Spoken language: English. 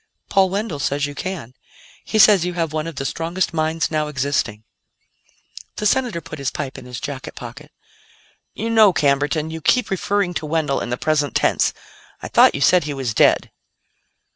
"Paul Wendell says you can. He says you have one of the strongest minds now existing." The Senator put his pipe in his jacket pocket. "You know, Camberton, you keep referring to Wendell in the present tense. I thought you said he was dead."